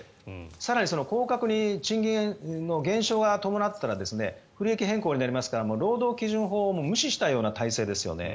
更に、降格に賃金の減少が伴ったら不利益変更になりますから労働基準法を無視したような体制ですよね。